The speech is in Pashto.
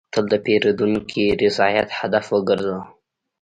تل د پیرودونکي رضایت هدف وګرځوه.